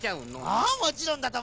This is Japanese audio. ああもちろんだとも。